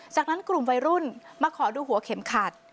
จากนั้นกลุ่มวัยรุ่นมาขอดูหัวเข็มขัด